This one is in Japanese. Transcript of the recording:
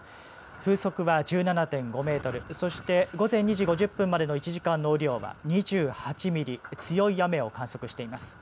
風速は１７．５メートルそして午前２時５０分までの１時間の雨量は２８ミリ強い雨を観測しています。